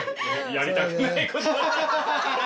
やりたくない事。